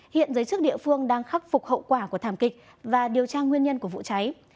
hiện giới chức địa phương đang khắc phục hậu quả của thảm kịch và điều tra nguyên nhân của vụ cháy